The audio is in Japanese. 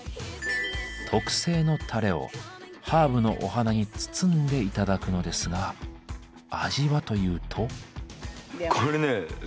特製のタレをハーブのお花に包んで頂くのですが味はというと。